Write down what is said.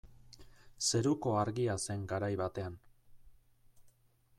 Zeruko Argia zen garai batean.